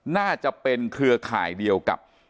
น่าจะเป็นเครือข่ายเดียวกับ